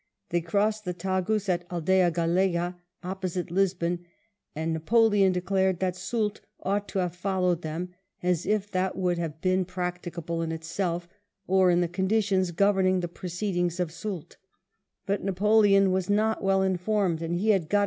They crossed the Tagus at Aldea Gallega opposite Lisbon, and Napoleon declared that Soult ought to have followed them, as if that would have been practicable in itself or in the conditions governing the proceedings of Soult But Napoleon was not well informed, and he had got.